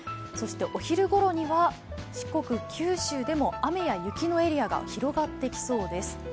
そしてお昼ごろには四国九州でも雨や雪のエリアが広がってきそうです。